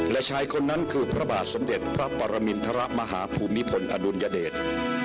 และชายคนนั้นคือพระบาทสมเด็จพระปรมินทรมาฮภูมิพลอดุลยเดช